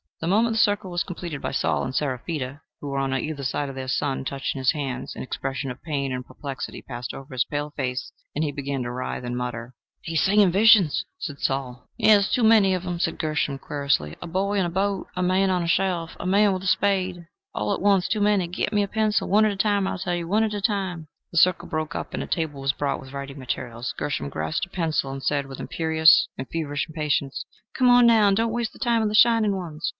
The moment the circle was completed by Saul and Seraphita, who were on either side of their son, touching his hands, an expression of pain and perplexity passed over his pale face, and he began to writhe and mutter. "He's seein' visions," said Saul. "Yes, too many of 'em," said Gershom, querulously. "A boy in a boat, a man on a shelf, and a man with a spade all at once: too many. Get me a pencil. One at a time, I tell you one at a time!" The circle broke up, and a table was brought, with writing materials. Gershom grasped a pencil, and said, with imperious and feverish impatience, "Come on, now, and don't waste the time of the shining ones."